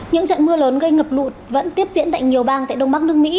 những trận mưa lớn gây ngập lụt vẫn tiếp diễn tại nhiều bang tại đông bắc nước mỹ